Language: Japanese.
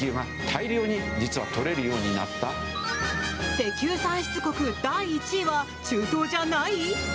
石油産出国第１位は中東じゃない？